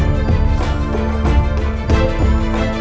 jangan lupa untuk berlangganan